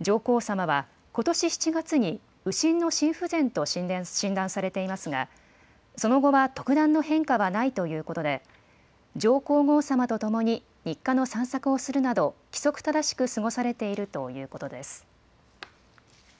上皇さまは、ことし７月に右心の心不全と診断されていますが、その後は特段の変化はないということで、上皇后さまとともに日課の散策をするなど、規則正しく過ごされているということです。